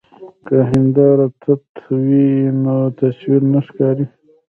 که هنداره تت وي نو تصویر نه ښکاري.